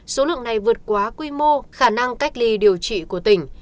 số lượng này vượt quá quy mô khả năng cách ly điều trị của tỉnh